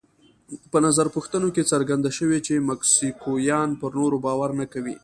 په نظر پوښتنو کې څرګنده شوې چې مکسیکویان پر نورو باور نه کوي.